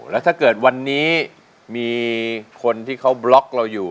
แล้วถ้าเกิดวันนี้มีคนที่เขาบล็อกเราอยู่